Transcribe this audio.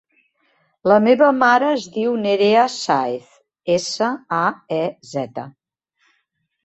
La meva mare es diu Nerea Saez: essa, a, e, zeta.